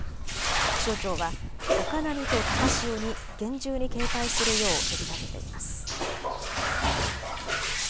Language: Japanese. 気象庁は高波と高潮に厳重に警戒するよう呼びかけています。